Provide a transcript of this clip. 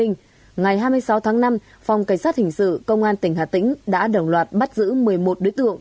ngày hai mươi sáu tháng năm phòng cảnh sát hình sự công an tỉnh hà tĩnh đã đồng loạt bắt giữ một mươi một đối tượng